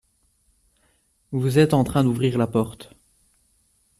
Vous êtes en train d’ouvrir la porte.